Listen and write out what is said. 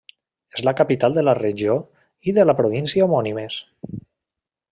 És la capital de la regió i de la província homònimes.